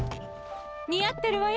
似合ってるわよ